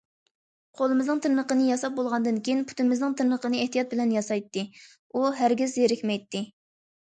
قولىمىزنىڭ تىرنىقىنى ياساپ بولغاندىن كېيىن پۇتىمىزنىڭ تىرنىقىنى ئېھتىيات بىلەن ياسايتتى، ئۇ ھەرگىز زېرىكمەيتتى.